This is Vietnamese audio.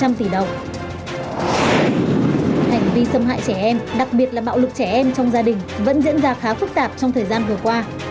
hành vi xâm hại trẻ em đặc biệt là bạo lực trẻ em trong gia đình vẫn diễn ra khá phức tạp trong thời gian vừa qua